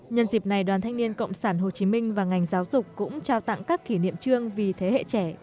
nhân dịp này đoàn thanh niên cộng sản hồ chí minh và ngành giáo dục cũng trao tặng các kỷ niệm trương vì thế hệ trẻ